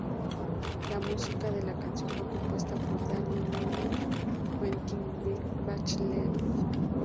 La música de la canción fue compuesta por Daniel Moyne y Quentin Bachelet.